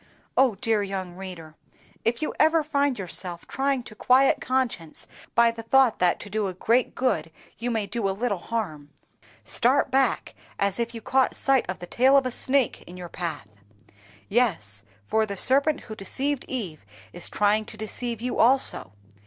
Oh, dear young reader! if you ever find yourself trying to quiet conscience by the thought that to do a great good you may do a little harm, start back as if you caught sight of the tail of a snake in your path! Yes, for the serpent who deceived Eve is trying to deceive you also.